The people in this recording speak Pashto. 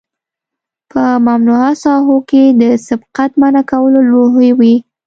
په ممنوعه ساحو کې د سبقت منع کولو لوحې وي